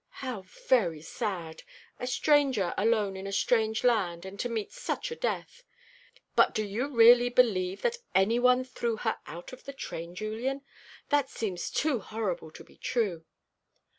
"How very sad! A stranger alone in a strange land, and to meet such a death! But do you really believe that any one threw her out of the train, Julian? That seems too horrible to be true."